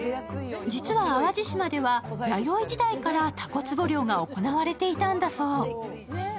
実は淡路島では弥生時代から、たこつぼ漁が行われていたんだそう。